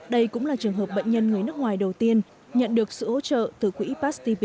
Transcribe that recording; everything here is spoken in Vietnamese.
đây cũng là trường hợp bệnh nhân người nước ngoài đầu tiên nhận được sự hỗ trợ từ quỹ past tp